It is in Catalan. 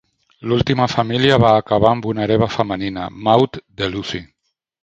L'última família va acabar amb una hereva femenina, Maud de Lucy.